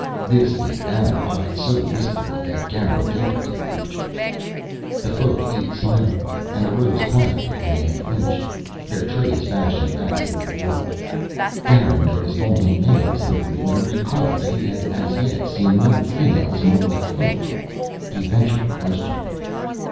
This the Ana eyed so wistfully that Garin gave it to the creature. The Folk ate silently and arose quietly when they had finished, their trays vanishing back through the wall. Garin noticed only males in the room and recalled that he had, as yet, seen no females among the Folk. He ventured a question.